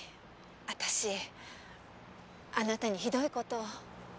私あなたにひどいことを。